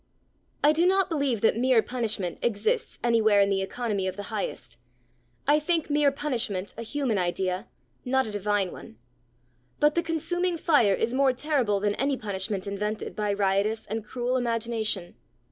I do not believe that mere punishment exists anywhere in the economy of the highest; I think mere punishment a human idea, not a divine one. But the consuming fire is more terrible than any punishment invented by riotous and cruel imagination.